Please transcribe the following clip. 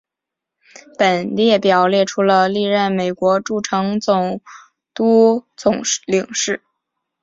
本列表列出了历任美国驻成都总领事。